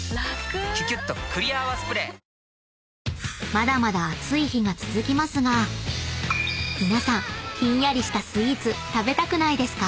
［まだまだ暑い日が続きますが皆さんひんやりしたスイーツ食べたくないですか？］